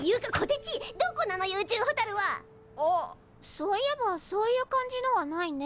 そういえばそういう感じのはないね。